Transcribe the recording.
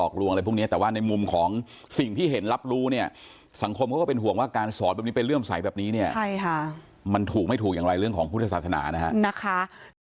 การสอนเป็นเรื่องใส่แบบนี้เนี่ยมันถูกไม่ถูกอย่างไรเรื่องของพุทธศาสนานะคะ